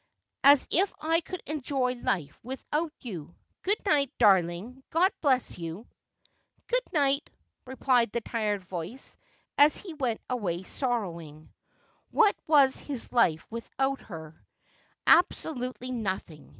' As if I could enjoj' life without you. Good night, darling. God bless you !'' Good night,' replied the tired voice, and he went away sorrowing. What was his life worth without her ? Absolutely nothing.